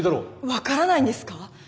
分からないんですか？